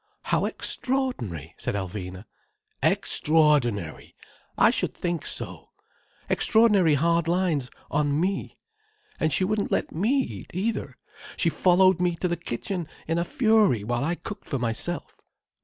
"How extraordinary!" said Alvina. "Extraordinary! I should think so. Extraordinary hard lines on me. And she wouldn't let me eat either. She followed me to the kitchen in a fury while I cooked for myself.